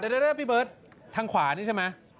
เดี๋ยวพี่เบิร์ตทางขวานี่ใช่ไหม